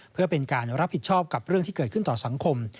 เพื่อเป็นการรับผิดชอบกับเรื่องที่เกิดขึ้นต่อสังคม